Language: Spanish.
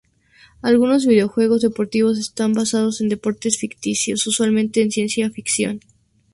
Algunos videojuegos deportivos están basados en deportes ficticios, usualmente de ciencia ficción.